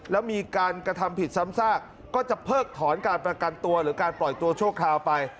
แล้วมีการกระทำผิดซ้ำซากก็จะเพิกถอนการประกันตัวหรือการปล่อยตัวชั่วคราวไป